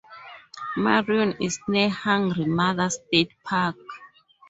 Marion is near Hungry Mother State Park.